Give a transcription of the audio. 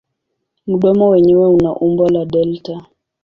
Mdomo wenyewe una umbo la delta.